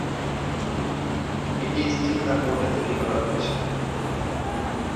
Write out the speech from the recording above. এটি স্টিল কাঠামোতে তৈরি করা হয়েছে।